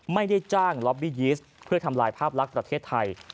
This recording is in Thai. ไม่ได้จ้างล็อบบี้ยีสเพื่อทำลายภาพลักษณ์ประเทศไทย